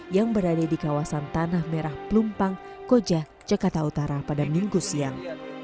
yang berada di kawasan tanah merah plumpang koja jakarta utara pada minggu siang